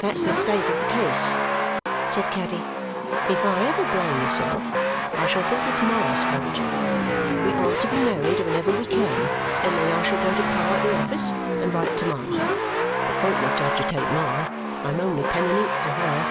"That's the state of the case," said Caddy. "If I ever blame myself, I still think it's Ma's fault. We are to be married whenever we can, and then I shall go to Pa at the office and write to Ma. It won't much agitate Ma; I am only pen and ink to HER.